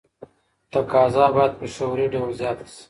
تقاضا باید په شعوري ډول زیاته سي.